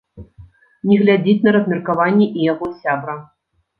Не глядзіць на размеркаванне і яго сябра.